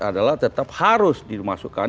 adalah tetap harus dimasukkan